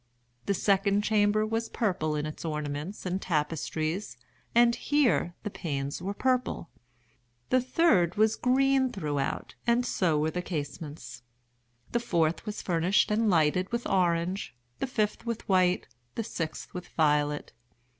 The second chamber was purple in its ornaments and tapestries, and here the panes were purple. The third was green throughout, and so were the casements. The fourth was furnished and lighted with orange—the fifth with white—the sixth with violet.